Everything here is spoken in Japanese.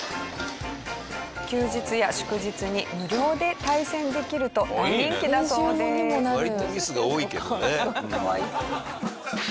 休日や祝日に無料で対戦できると大人気だそうです。